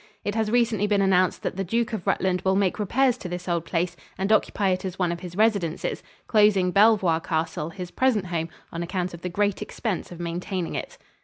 It has recently been announced that the Duke of Rutland will make repairs to this old place and occupy it as one of his residences, closing Belvoir Castle, his present home, on account of the great expense of maintaining it.